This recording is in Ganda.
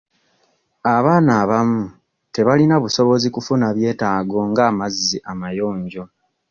Abaana abamu tebalina busobozi kufuna byetaago ng'amazzi amayonjo.